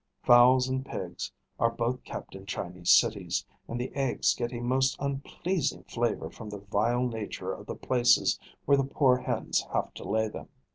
Fowls and pigs are both kept in Chinese cities, and the eggs get a most unpleasing flavour from the vile nature of the places where the poor hens have to lay them.